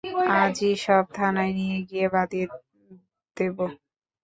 আজি সব থানায় নিয়ে গিয়ে বাঁধিয়ে দোব।